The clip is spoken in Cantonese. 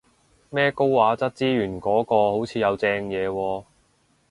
咩高畫質資源嗰個好似有正嘢喎